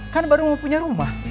kan baru mau punya rumah